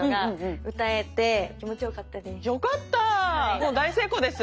もう大成功です。